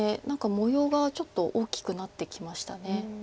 模様がちょっと大きくなってきました。